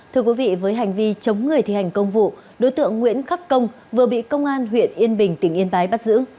thưa quý vị với hành vi chống người thi hành công vụ đối tượng nguyễn khắc công vừa bị công an huyện yên bình tỉnh yên bái bắt giữ